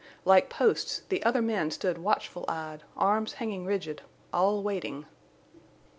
Like posts the other men stood watchful eyed, arms hanging rigid, all waiting.